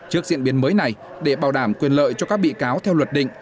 trước diễn biến mới này để bảo đảm quyền lợi cho các bị cáo theo luật định